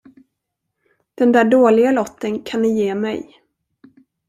Den där dåliga lotten kan ni ge mig.